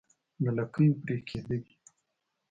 د لکيو پرې کېده دي